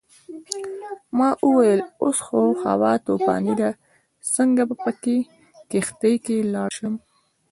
ما وویل اوس خو هوا طوفاني ده څنګه به په کښتۍ کې لاړ شم.